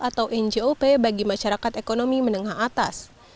atau njop bagi masyarakat ekonomi menengah atas